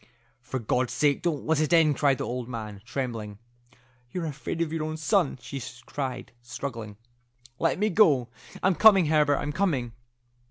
"For God's sake don't let it in," cried the old man, trembling. "You're afraid of your own son," she cried, struggling. "Let me go. I'm coming, Herbert; I'm coming."